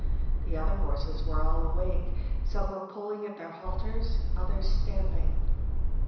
The other horses were all awake; some were pulling at their halters, others stamping.